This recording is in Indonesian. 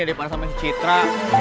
daripada sama si citra